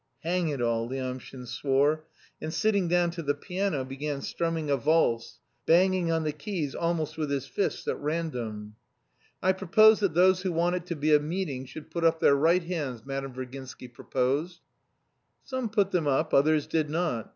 "Hang it all!" Lyamshin swore, and sitting down to the piano, began strumming a valse, banging on the keys almost with his fists, at random. "I propose that those who want it to be a meeting should put up their right hands," Madame Virginsky proposed. Some put them up, others did not.